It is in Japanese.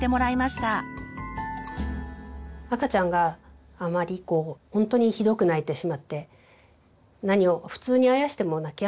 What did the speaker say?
赤ちゃんがあまりこうほんとにひどく泣いてしまって普通にあやしても泣きやまない時はですね